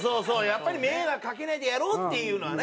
やっぱり迷惑かけないでやろうっていうのはね。